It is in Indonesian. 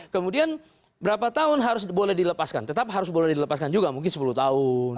kemudian berapa tahun harus boleh dilepaskan tetap harus boleh dilepaskan juga mungkin sepuluh tahun